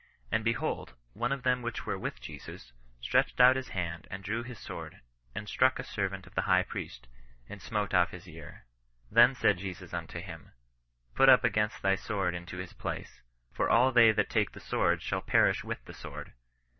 And, be hold, one of them which were with Jesus, stretched out his hand, and drew his sword, and struck a servant of the high priest, and smote off his ear. Then said Jesus unto him, put up again thy sword into his place : for all they that take the sword shall perish with the sword.